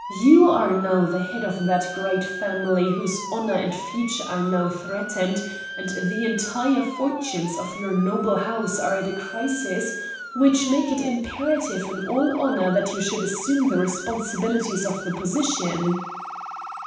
You are now the head of that great family whose honor and future are now threatened; and the entire fortunes of your noble house are at a crisis which make it imperative in all honor that you should assume the responsibilities of the position."